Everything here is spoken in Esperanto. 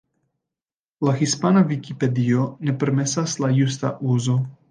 La Hispana Vikipedio ne permesas la justa uzo.